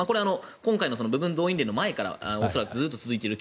今回の部分動員令の前から恐らくずっと続いている。